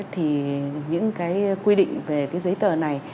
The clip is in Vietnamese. thì những cái quy định về cái giấy tờ này